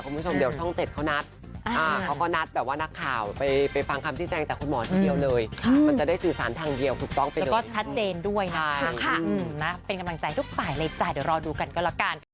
เขาก็นัดแบบว่านักข่าวไปฟังคำที่แจ้งจากคุณหมอทีเดียวเลยมันจะได้สื่อสารทางเดียวถูกต้องไปเลยแล้วก็ชัดเจนด้วยนะถูกค่ะเป็นกำลังใจทุกฝ่ายเลยจ้ะเดี๋ยวรอดูกันก็แล้วกัน